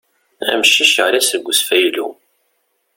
Amcic yaɣli-d seg usfayly.